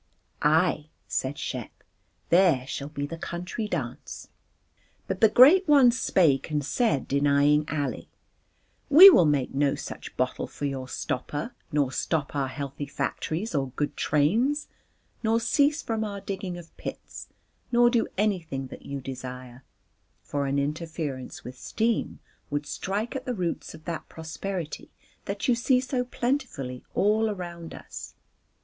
"Aye," said Shep, "there shall be the country dance." But the great ones spake and said, denying Ali: "We will make no such bottle for your stopper nor stop our healthy factories or good trains, nor cease from our digging of pits nor do anything that you desire, for an interference with steam would strike at the roots of that prosperity that you see so plentifully all around us."